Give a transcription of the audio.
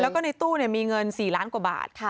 แล้วก็ในตู้มีเงิน๔ล้านกว่าบาท